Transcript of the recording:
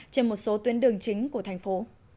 trên một số tuyến đường chính của thành phố